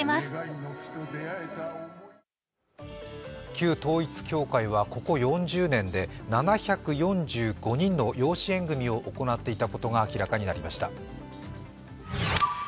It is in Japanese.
旧統一教会は、ここ４０年で７４５人の養子縁組を行っていたことが分かりました。